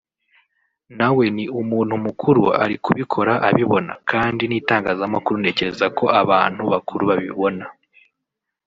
nawe ni umuntu mukuru ari kubikora abibona kandi n’itangazamakuru ntekereza ko abantu bakuru babibona